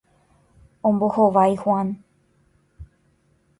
Ombohovái Juan.